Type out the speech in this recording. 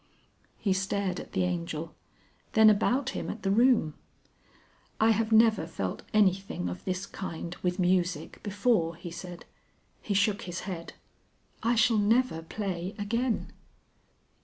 He stared at the Angel, then about him at the room. "I have never felt anything of this kind with music before," he said. He shook his head. "I shall never play again."